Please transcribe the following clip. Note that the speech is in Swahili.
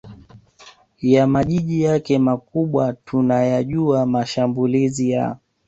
ya majiji yake makubwa Tunayajua mashambulizi ya